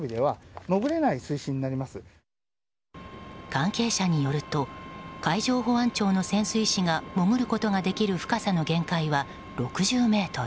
関係者によると海上保安庁の潜水士が潜ることができる深さの限界は６０ｍ。